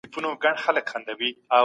اګوست کنت علمي ميتود وړاندي کړ.